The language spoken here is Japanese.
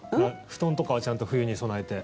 布団とかはちゃんと冬に備えて。